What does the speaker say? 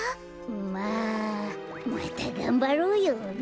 まあまたがんばろうよね？